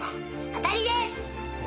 当たりです。